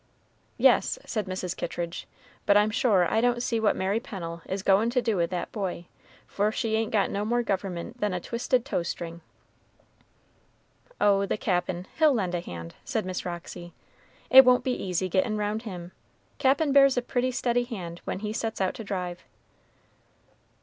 "Yes," said Mrs. Kittridge; "but I'm sure I don't see what Mary Pennel is goin' to do with that boy, for she ain't got no more government than a twisted tow string." "Oh, the Cap'n, he'll lend a hand," said Miss Roxy, "it won't be easy gettin' roun' him; Cap'n bears a pretty steady hand when he sets out to drive."